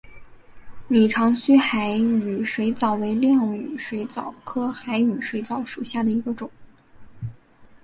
拟长须海羽水蚤为亮羽水蚤科海羽水蚤属下的一个种。